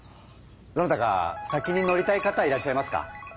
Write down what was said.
どなたか先に乗りたい方いらっしゃいますか？